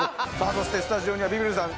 そしてスタジオにはビビるさん